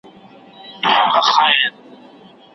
ذره ذره پر مځکه ولوېدلو